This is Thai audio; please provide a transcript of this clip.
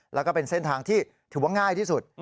แล้วก็เป็นเส้นทางที่ถือว่าง่ายที่สุด